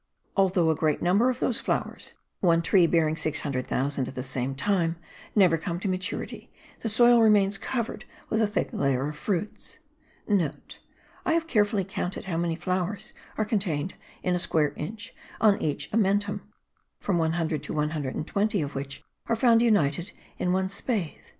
Although a great number of those flowers (one tree bearing 600,000 at the same time) never come to maturity,* the soil remains covered with a thick layer of fruits. (* I have carefully counted how many flowers are contained in a square inch on each amentum, from 100 to 120 of which are found united in one spathe.)